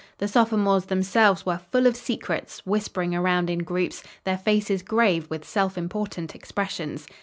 The sophomores themselves were full of secrets, whispering around in groups, their faces grave with self important expressions.